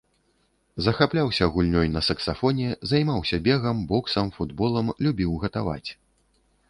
Захапляўся гульнёй на саксафоне, займаўся бегам, боксам, футболам, любіў гатаваць.